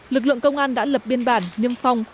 lực lượng công an đã lập biên bản niêm phong